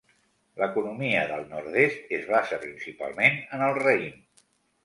L'economia del nord-est es basa principalment en el raïm.